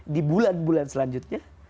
di bulan bulan selanjutnya